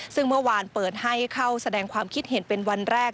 ซึ่งเมื่อวานเปิดให้เข้าแสดงความคิดเห็นเป็นวันแรก